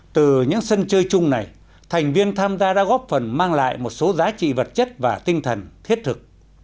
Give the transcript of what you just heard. từ những sân chơi chung này thành viên tham gia đã góp phần mang lại một số giá trị vật chất và tinh thần thiết thực